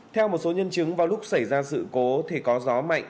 theo một số nhân chứng vào lúc xảy ra sự cố thì có gió mạnh